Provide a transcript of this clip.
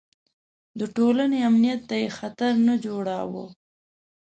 د ټولنې امنیت ته یې خطر نه جوړاوه.